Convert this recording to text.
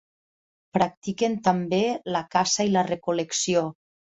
Practiquen també la caça i la recol·lecció.